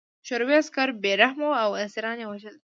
شوروي عسکر بې رحمه وو او اسیران یې وژل